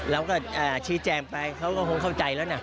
เราก็ชี้แจงไปเขาก็คงเข้าใจแล้วนะ